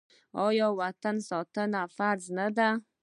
آیا د وطن ساتنه فرض نه ده؟